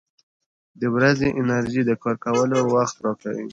• د ورځې انرژي د کار کولو وخت راکوي.